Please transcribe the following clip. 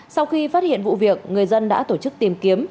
sau khi phát hiện vụ việc người dân đã tổ chức tìm kiếm